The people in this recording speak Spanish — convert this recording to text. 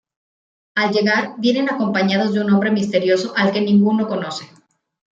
Al llegar, vienen acompañados de un hombre misterioso al que ninguno conoce.